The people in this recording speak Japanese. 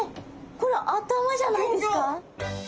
これ頭じゃないですか？